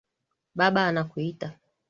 Baba anakuita